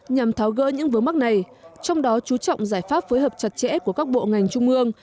nhằm tháo gỡ những vướng mắt này trong đó chú trọng giải pháp phối hợp chặt chẽ của các bộ ngành trung ương